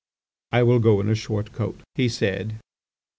"I will go in a short coat," he said.